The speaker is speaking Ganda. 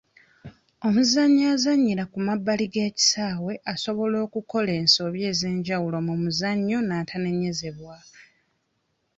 Omuzannyi azannyira ku mabbali g'ekisaawe asobola okukola ensobi ez'enjawulo mu muzannyo n'atanenyezebwa.